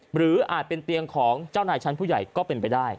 อาจเป็นเตียงของเจ้านายชั้นผู้ใหญ่ก็เป็นไปได้